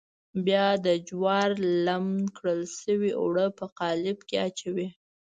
بیا د جوارو لمد کړل شوي اوړه په قالب کې اچوي.